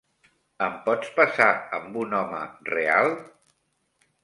Em pots passar amb un home real?